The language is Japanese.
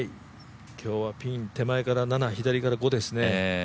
今日はピン手前から７、左から５ですね。